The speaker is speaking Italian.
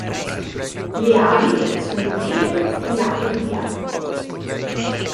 Le ali sono nere striate di bianco.